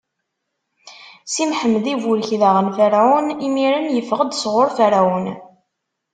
Si Mḥemmed iburek daɣen Ferɛun, imiren iffeɣ-d sɣur Ferɛun.